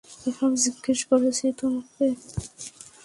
এসব জিজ্ঞেস করেছি তোমাকে?